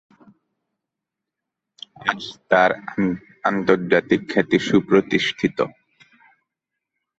আজ তার আন্তর্জাতিক খ্যাতি সুপ্রতিষ্ঠিত।